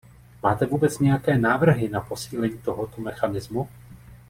Máte vůbec nějaké návrhy na posílení tohoto mechanismu?